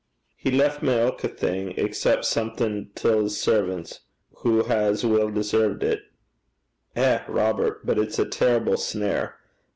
'He's left me ilka thing, excep' something till 's servan's wha hae weel deserved it.' 'Eh, Robert! but it's a terrible snare.